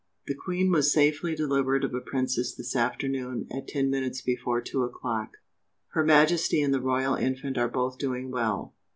"The Queen was safely delivered of a Princess this afternoon at ten minutes before two o'clock. "Her Majesty and the Royal Infant are both doing well.